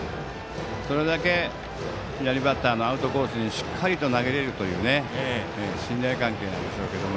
それだけ左バッターのアウトコースに、しっかりと投げられるという信頼関係なんでしょうが。